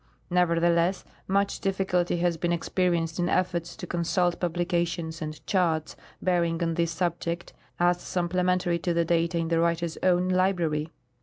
Nevertheless, much difficulty has been experienced in efforts to consult publications and charts bearing on this subject, as sup plementary to the data in the writer's OAvn library.